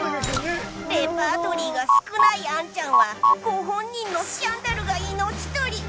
レパートリーが少ないアンちゃんはご本人のスキャンダルが命取り。